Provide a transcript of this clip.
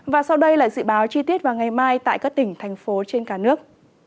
và sau đây là dự báo chi tiết vào ngày mai tại các tỉnh thành phố trên cả nước